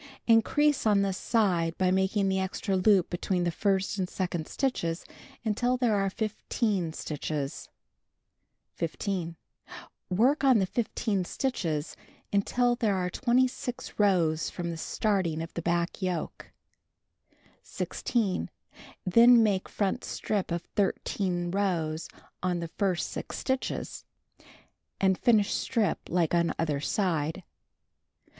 Increase on this side by making the extra loop between the first and second stitches until there are 15 stitches. 15. Work on the 15 stitches until there arc 26 rows from the starthig of the back yoke, The Magic Paper 235 16. Then make front strip of 13 rows on the first 6 stitches, and finish strip like on other side.